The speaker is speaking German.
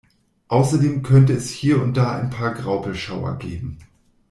Außerdem könnte es hier und da ein paar Graupelschauer geben.